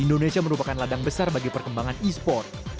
indonesia merupakan ladang besar bagi perkembangan e sport